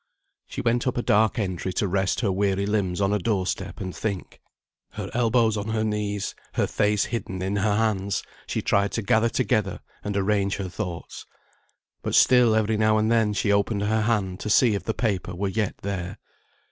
She went up a dark entry to rest her weary limbs on a door step and think. Her elbows on her knees, her face hidden in her hands, she tried to gather together and arrange her thoughts. But still every now and then she opened her hand to see if the paper were yet there.